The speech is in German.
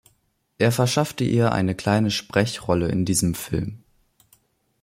Er verschaffte ihr eine kleine Sprechrolle in diesem Film.